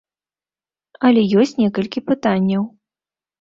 Але ёсць некалькі пытанняў.